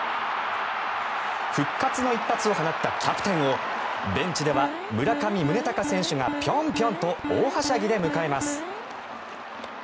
復活の一発を放ったキャプテンをベンチでは村上宗隆選手がぴょんぴょんと大はしゃぎで迎えます。